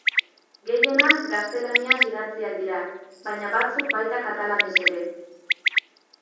Gehienak gaztelaniaz idatziak dira, baina batzuk baita katalanez ere.